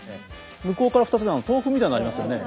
向こうから２つ目の豆腐みたいなのありますよね。